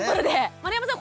丸山さん